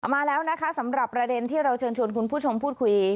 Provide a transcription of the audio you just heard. มาแล้วนะคะสำหรับประเด็นที่เราเชิญชวนคุณผู้ชมพูดคุย